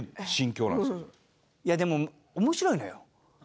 いやでも面白いのよ。